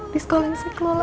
di sekolah yang saya kelola